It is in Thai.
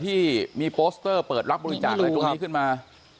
ที่มีโปสเตอร์เปิดรับบริจาคอะไรตรงนี้ขึ้นมา